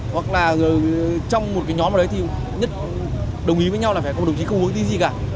hoặc là trong một cái nhóm ở đấy thì nhất đồng ý với nhau là phải có một đồng chí không uống gì cả